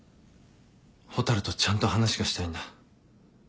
蛍とちゃんと話がしたいんだ。